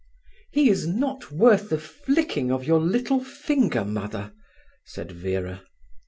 "He is not worth the flicking of your little finger, Mother," said Vera.